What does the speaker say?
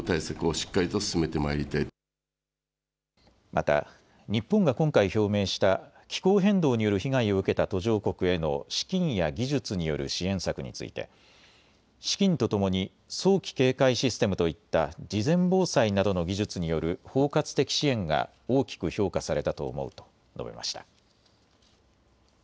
また日本が今回表明した気候変動による被害を受けた途上国への資金や技術による支援策について、資金とともに早期警戒システムといった事前防災などの技術による包括的支援が大きく評価されたと思うと述べました。